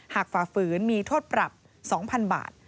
ฝ่าฝืนมีโทษปรับ๒๐๐๐บาท